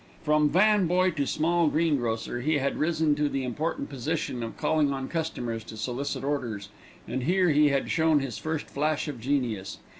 From van boy to a small greengrocer, he had risen to the important position of calling on customers to solicit orders, and here he had shown his first flash of genius.